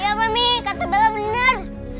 iya mami kata bella bener